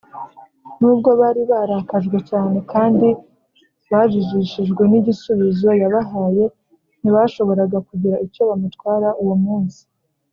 nubwo bari barakajwe cyane kandi bajijishijwe n’igisubizo yabahaye, ntibashoboraga kugira icyo bamutwara uwo munsi